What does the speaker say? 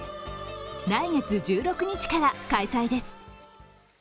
来月１６日から開催です。